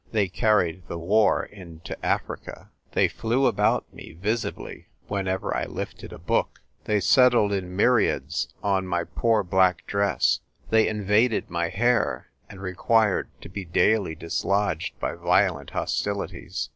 They carried the war into Africa. They flew about me visibly whenever I lifted a book ; they settled in myriads on my poor black dress ; they in vaded my hair, and required to be daily dis lodged by violent hostilities.